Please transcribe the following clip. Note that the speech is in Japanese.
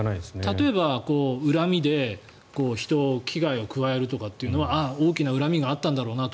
例えば恨みで人に危害を加えるとかっていうのは大きな恨みがあったんだろうな。